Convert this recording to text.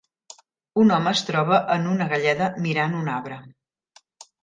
Un home es troba en una galleda mirant un arbre